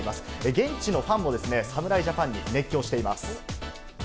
現地のファンも、侍ジャパンに熱狂しています。